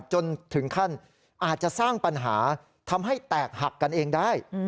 จนถึงขั้นอาจจะสร้างปัญหาทำให้แตกหักกันเองได้